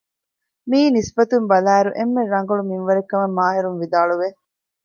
މިއީ ނިސްބަތުން ބަލާއިރު އެންމެ ރަނގަޅު މިންވަރެއް ކަމަށް މާހިރުން ވިދާޅުވެ